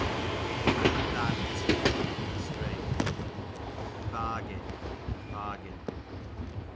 Bant, a string. Bargin, bargain.